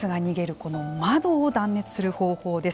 この窓を断熱する方法です。